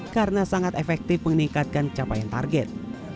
karena sangat efektif meningkatkan capaian target